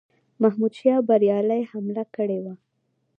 محمودشاه بریالی حمله کړې وه.